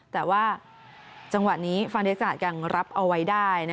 แต่ว่าจังหวะนี้ฟานเดสศาสตร์ยังรับเอาไว้ได้